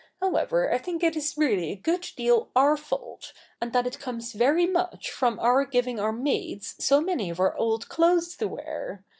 However, I think it is really a good deal our fault, and that it comes very much from our giving our maids so many of our old clothes to wear.